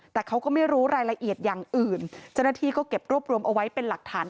แต่เขาก็ไม่รู้รายละเอียดอย่างอื่นเจ้าหน้าที่ก็เก็บรวบรวมเอาไว้เป็นหลักฐาน